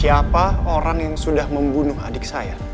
siapa orang yang sudah membunuh adik saya